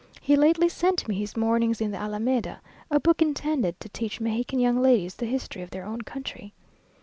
He lately sent me his "Mornings in the Alameda," a book intended to teach Mexican young ladies the history of their own country.